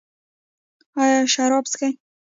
ایا شراب څښئ؟